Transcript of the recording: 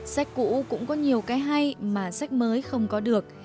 sách cũ cũng có nhiều cái hay mà sách mới không có được